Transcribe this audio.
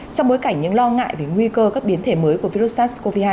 trong bối cảnh những lo ngại về nguy cơ các biến thể mới của virus sars cov hai